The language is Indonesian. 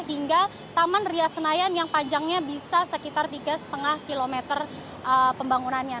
hingga taman ria senayan yang panjangnya bisa sekitar tiga lima km pembangunannya